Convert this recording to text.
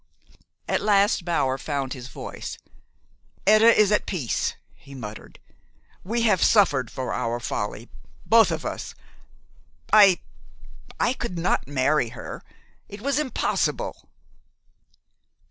At last Bower found his voice. "Etta is at peace," he muttered. "We have suffered for our folly both of us. I I could not marry her. It was impossible."